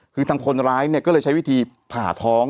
คือทางคนร้ายเนี่ยก็เลยใช้วิธีผ่าท้อง